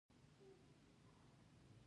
زما خوله درد کوي